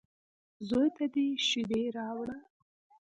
_زوی ته دې شېدې راوړه.